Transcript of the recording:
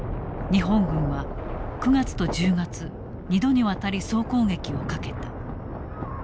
日本軍は９月と１０月２度にわたり総攻撃をかけた。